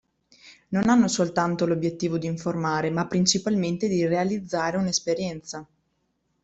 Non hanno soltanto l'obbiettivo di informare, ma principalmente di realizzare una esperienza.